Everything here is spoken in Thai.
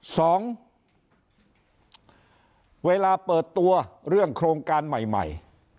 สองเวลาเปิดตัวเรื่องโครงการใหม่ใหม่